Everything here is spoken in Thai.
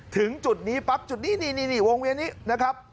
ถึงจุดนี้ปั๊บจุดนี้นี่วงเวียนนี้นะครับ